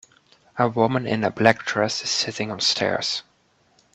A woman in a black dress is sitting on stairs.